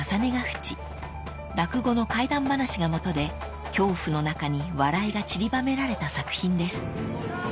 ［落語の怪談話が基で恐怖の中に笑いがちりばめられた作品です］